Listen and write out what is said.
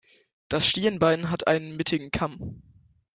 Das Stirnbein hat einen mittigen Kamm.